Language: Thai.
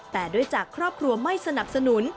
แต่ด้วยจากครอบครัวไม่สนับสนุน